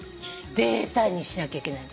データにしなきゃいけない。